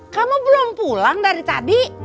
kamu belum pulang dari tadi